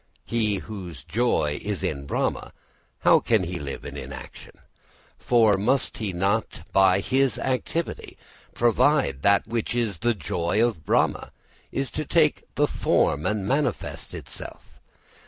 He whose joy is in Brahma, how can he live in inaction? For must he not by his activity provide that in which the joy of Brahma is to take form and manifest itself?